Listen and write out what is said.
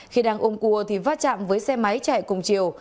khi đang ôm cùa thì vát chạm với xe máy chạy cùng chiều